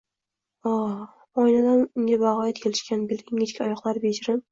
O…Y! Oynadan unga bagʼoyat kelishgan, beli ingichka, oyoqlari bejirim